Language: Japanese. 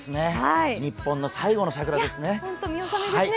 日本の最後の桜ですね。